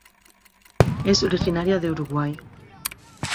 Es originaria de Uruguay.